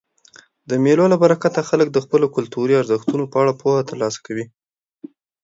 د مېلو له برکته خلک د خپلو کلتوري ارزښتو په اړه پوهه ترلاسه کوي.